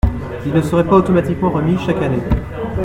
Il ne serait pas automatiquement remis chaque année.